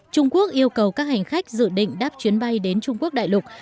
trung quốc yêu cầu các hành khách dự định đáp chuyến bay đến trung quốc đại lục